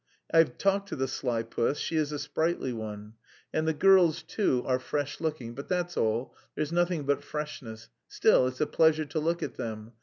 I've talked to the sly puss; she is a sprightly one... and the girls too are fresh looking; but that's all, there's nothing but freshness. Still, it's a pleasure to look at them.